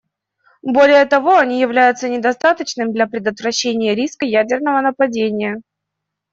Более того, они являются недостаточными для предотвращения риска ядерного нападения.